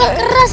kayu itu keras